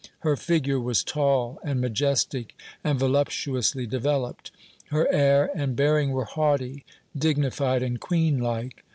Her figure was tall and majestic, and voluptuously developed. Her air and bearing were haughty, dignified, and queen like.